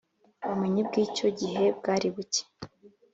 Ubumenyi bw’icyo gihe bwari bucye